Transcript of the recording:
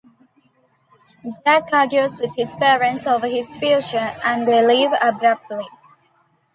Jack argues with his parents over his future, and they leave abruptly.